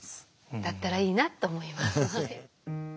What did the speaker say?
だったらいいなと思います。